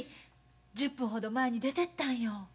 １０分ほど前に出てったんよ。